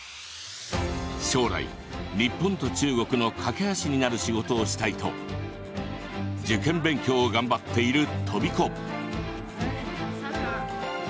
将来日本と中国の懸け橋になる仕事をしたいと受験勉強を頑張っているとびこ。